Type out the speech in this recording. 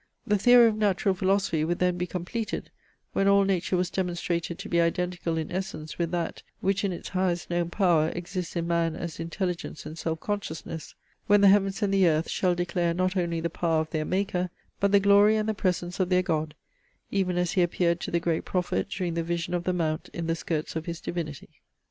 The theory of natural philosophy would then be completed, when all nature was demonstrated to be identical in essence with that, which in its highest known power exists in man as intelligence and self consciousness; when the heavens and the earth shall declare not only the power of their maker, but the glory and the presence of their God, even as he appeared to the great prophet during the vision of the mount in the skirts of his divinity.